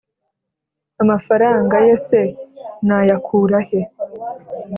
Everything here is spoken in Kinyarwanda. amafaranga ye se nayakurahe,